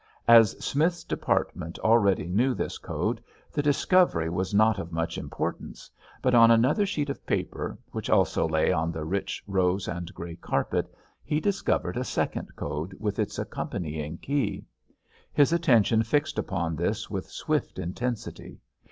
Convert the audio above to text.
As Smith's department already knew this code, the discovery was not of much importance, but on another sheet of paper which also lay on the rich rose and grey carpet he discovered a second code with its accompanying key. His attention fixed upon this with swift intensity.